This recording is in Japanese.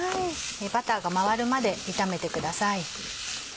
バターがまわるまで炒めてください。